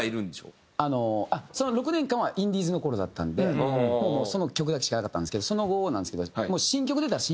あのその６年間はインディーズの頃だったんでもうその曲だけしかなかったんですけどその後なんですけど。